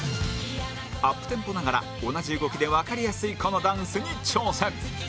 アップテンポながら同じ動きでわかりやすいこのダンスに挑戦